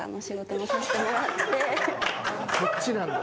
そっちなんだ。